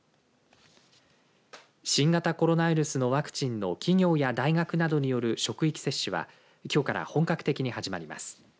新型コロナウイルスのワクチンの企業や大学などによる職域接種はきょうから本格的に始まります。